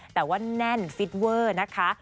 แต่ว่าแน่นฟิตเวอร์นะคะ